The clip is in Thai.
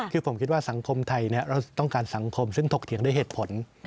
คือผมคิดว่าสังคมไทยเราต้องการสังคมซึ่งถกเถียงด้วยเหตุผล